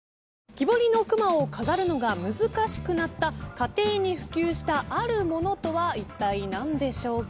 木彫りの熊を飾るのが難しくなった家庭に普及したあるものとはいったい何でしょうか？